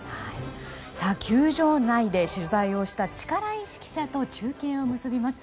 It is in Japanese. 球場内で取材をした力石記者と中継を結びます。